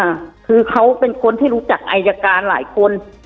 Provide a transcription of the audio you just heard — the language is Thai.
อ่าคือเขาเป็นคนที่รู้จักอายการหลายคน